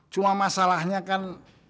cuma masalahnya kan